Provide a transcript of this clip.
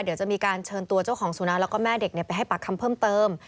เดี๋ยวจะมีการเชิญตัวเจ้าของสุนัขแล้วก็แม่เด็กไปให้ปากคำเพิ่มเติม